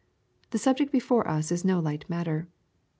The subject before us is no light matter.